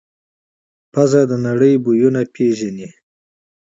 پزه د نړۍ بویونه پېژني.